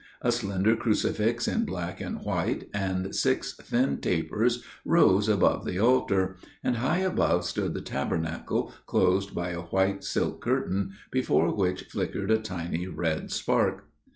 A slender crucifix in black and white and six thin tapers rose above the altar, and high above stood the Tabernacle closed by a white silk curtain, before which flickered a tiny red spark.